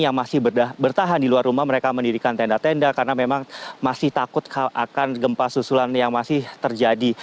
yang masih bertahan di luar rumah mereka mendirikan tenda tenda karena memang masih takut akan gempa susulan yang masih terjadi